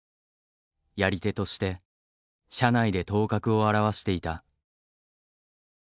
やり手として社内で頭角を現していた。